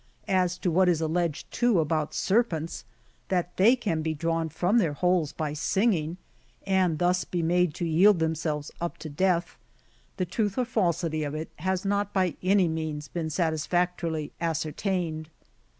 As to what is alleged, too, about serpents, that they can be drawn from their holes by singing, and thus be made to jdeld them selves up to death, the truth or falsity of it has not by any means been satisfactorily ascertained.